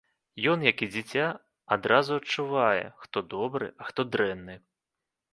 Ён, як і дзіця, адразу адчувае, хто добры, а хто дрэнны.